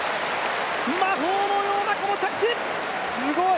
魔法のようなこの着地！